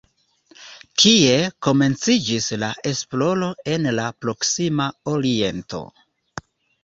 Tie komenciĝis la esploro en la Proksima Oriento.